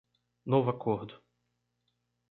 Novo Acordo